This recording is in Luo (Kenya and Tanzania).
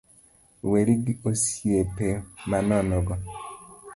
Weri gi osiepe manono go